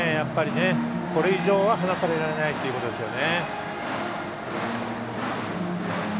これ以上は離されないということですよね。